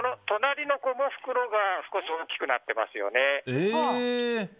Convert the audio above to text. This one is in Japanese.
隣の子の袋が少し大きくなってますよね。